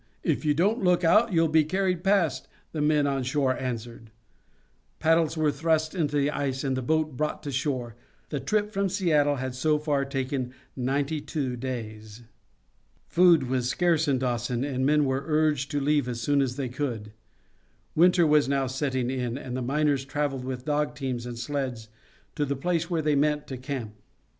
If you don't look out you'll be carried past," the men on shore answered. Paddles were thrust into the ice, and the boat brought to shore. The trip from Seattle had so far taken ninety two days. Food was scarce in Dawson, and men were urged to leave as soon as they could. Winter was now setting in, and the miners traveled with dog teams and sleds to the place where they meant to camp.